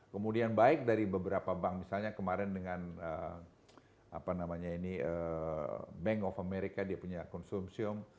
kemudian baik dari beberapa bank misalnya kemarin dengan bank of america dia punya konsumsium